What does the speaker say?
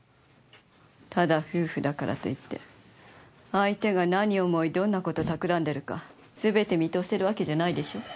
ただ夫婦だからといって相手が何を思いどんな事を企んでるかすべて見通せるわけじゃないでしょ？